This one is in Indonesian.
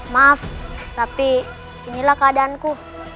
maaf tapi inilah keadaanku